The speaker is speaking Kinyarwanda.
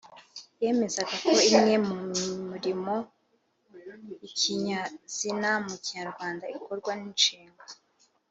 Yemezaga ko imwe mu murimo y’ikinyazina mu Kinyarwanda ikorwa n’inshinga.